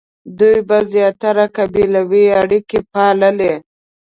دوی به زیاتره قبیلوي اړیکې پاللې.